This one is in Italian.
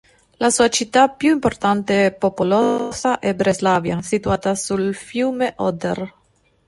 La sua città più importante e popolosa è Breslavia, situata sul fiume Oder.